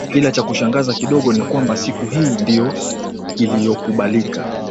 Ila chakushangaza kidogo ni kwamba siku hii ndio iliyokubalika